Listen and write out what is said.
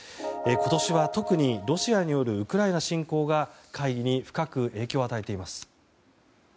今年は、特にロシアによるウクライナ侵攻が会議に深く影響を与えています。